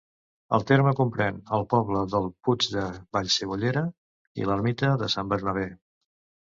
El terme comprèn el poble del Puig de Vallcebollera i l'ermita de Sant Bernabé.